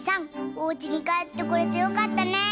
おうちにかえってこれてよかったね。